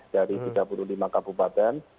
dari tiga puluh lima kabupaten